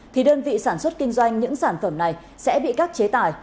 thì đơn vị sản xuất kinh doanh những sản phẩm này sẽ bị các chế tài